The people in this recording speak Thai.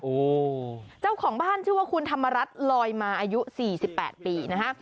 โอ้โหเจ้าของบ้านชื่อว่าคุณธรรมรัฐลอยมาอายุ๔๘ปีนะฮะ